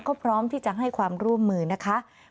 ก็พร้อมที่จะให้ความร่วมมือนะคะ